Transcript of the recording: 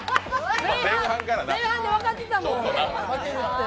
前半で分かってたもん。